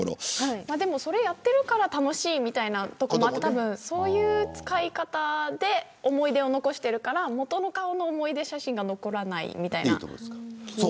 それをやってるから楽しいというというところもあってそういう使い方で思い出を残してるから元の顔の思い出写真が残らないみたいな。